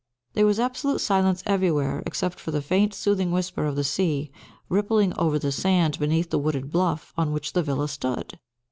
There was absolute silence everywhere, except for the faint soothing whisper of the sea, rippling over the sand beneath the wooded bluff on which the villa stood.